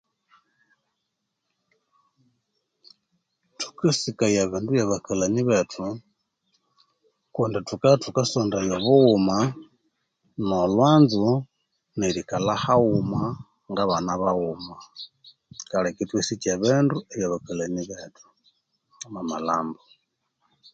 Thukasikaya ebindu byabakalhani bethu kundi thukabya ithukasondaya obughuma no'lhwanzo nerikalhahaghuma nga'bana baghuma kikaleka ithwasikya ebindu byabakalhani bethu